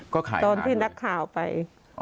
ค่ะตอนที่นักข่าวไป